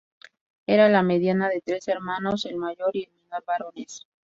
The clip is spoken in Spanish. Era la mediana de tres hermanos, el mayor y el menor varones.